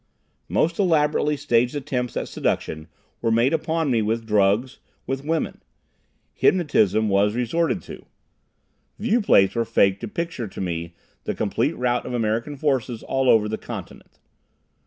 Most elaborately staged attempts at seduction were made upon me with drugs, with women. Hypnotism was resorted to. Viewplates were faked to picture to me the complete rout of American forces all over the continent.